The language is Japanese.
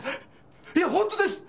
いや本当です！